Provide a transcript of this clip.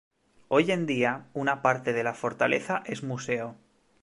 Hoy en día, una parte de la fortaleza es museo.